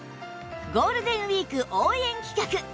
ゴールデンウィーク応援企画